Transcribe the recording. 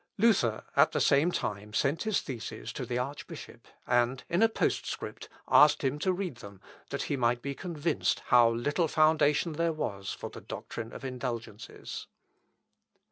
Luther at the same time sent his theses to the archbishop, and, in a postscript, asked him to read them, that he might be convinced how little foundation there was for the doctrine of indulgences.